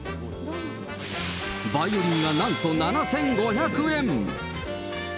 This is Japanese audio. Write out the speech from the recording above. バイオリンはなんと７５００円。